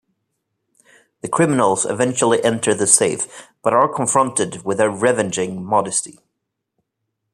The criminals eventually enter the safe but are confronted with a revenging Modesty.